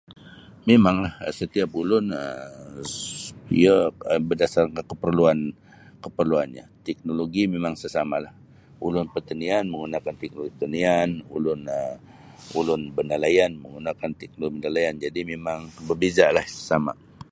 Mimanglah setiap ulun um iyo badasarkan kaparluan-kaparluannya teknologi mimang sesamalah ulun patanian menggunakan teknologi patanian ulun um ulun nalayan menggunakan teknologi nalayan jadi mimang bebizalah sesama.